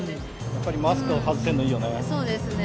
やっぱりマスク外せるのいいよね。